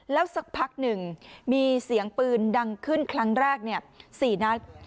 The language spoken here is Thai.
แล้วสักพักหนึ่งมีเสียงปืนดังขึ้นครั้งแรก๔นัด